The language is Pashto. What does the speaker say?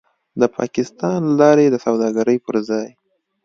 د پاکستان له لارې د سوداګرۍ پر ځای